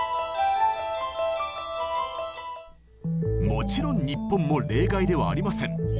もちろん日本も例外ではありません。